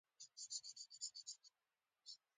په تخریبي توګه زیانمن کړ.